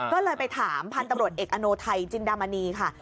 ก็เลยไปถามพันธุ์ตำรวจเอกอโนไทยจินดามณีค่ะ